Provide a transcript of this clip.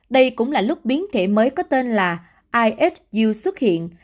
đây cũng là lúc biến thể mới có tên là ihu xuất hiện